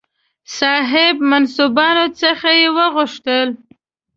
صاحب منصبانو څخه یې وغوښتل.